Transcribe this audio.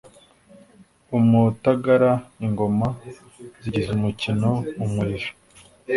Umutagara Ingoma zigize umukino, umuriri